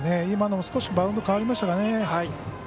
今のも少しバウンド変わりましたかね。